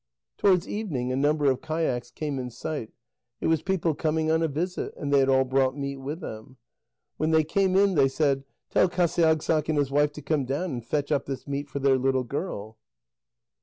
Towards evening a number of kayaks came in sight; it was people coming on a visit, and they had all brought meat with them. When they came in, they said: "Tell Qasiagssaq and his wife to come down and fetch up this meat for their little girl."